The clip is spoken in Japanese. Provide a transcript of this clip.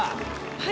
はい。